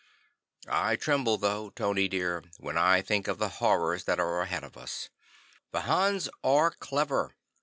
"I tremble though, Tony dear, when I think of the horrors that are ahead of us. The Hans are clever.